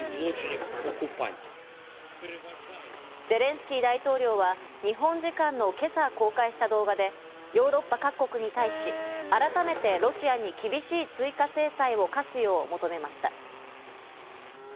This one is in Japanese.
ゼレンスキー大統領は日本時間の今朝、公開した動画でヨーロッパ各国に対し、改めてロシアに厳しい追加制裁を科すよう求めました。